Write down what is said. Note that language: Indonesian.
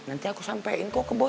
nanti aku sampein kok ke boy